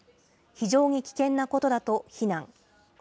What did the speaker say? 非常に危険なことだと非難。